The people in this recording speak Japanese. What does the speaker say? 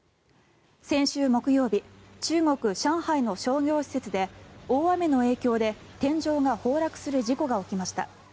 先週木曜日中国・上海の商業施設で大雨の影響で天井が崩落する事故が起きました。